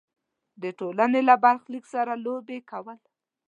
د ټولنې له برخلیک سره لوبې کول.